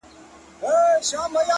هوښیار انسان هره شېبه ارزوي